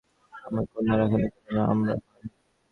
আমার কন্যার এখনো কোনো নাম রাখা হয়নি।